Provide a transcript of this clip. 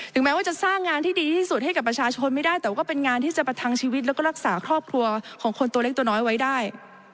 แม้ว่าจะสร้างงานที่ดีที่สุดให้กับประชาชนไม่ได้แต่ว่าเป็นงานที่จะประทังชีวิตแล้วก็รักษาครอบครัวของคนตัวเล็กตัวน้อยไว้ได้